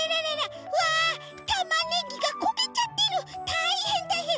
たいへんたいへん！